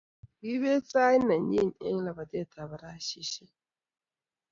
Kiibet sait nenyi eng labatet tab farasishek---